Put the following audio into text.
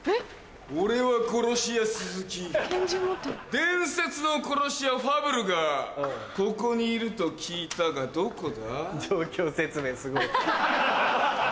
伝説の殺し屋ファブルがここにいると聞いたがどこだ？